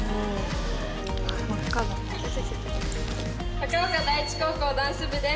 高岡第一高校ダンス部です。